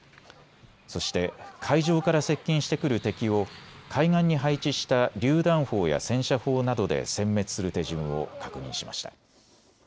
そして海上から接近してくる敵を海岸に配置したりゅう弾砲や戦車砲などでせん滅する手順を確認しました。